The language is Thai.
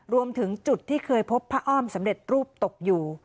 รวมถึงจุดที่เคยพบพระอ้อมสำเร็จรูปตกอยู่